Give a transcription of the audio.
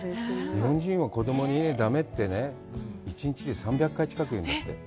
日本人は子供にだめってね、１日に３００回近く言うんだって。